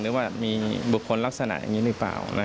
หรือว่ามีบุคคลลักษณะอย่างนี้หรือเปล่า